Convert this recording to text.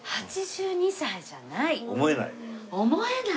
思えない？